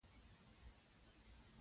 هغه خپلې جامې تغیر کړې.